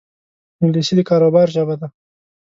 انګلیسي د کاروبار ژبه ده